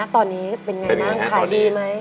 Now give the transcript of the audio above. ตอนนี้เป็นไงบ้างขายดีไหม